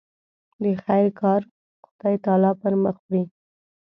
د خیر کار خدای تعالی پر مخ وړي.